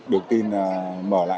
được tin là mở cửa trở lại